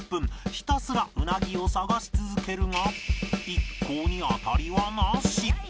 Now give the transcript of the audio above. ひたすらウナギを探し続けるが一向に当たりはなし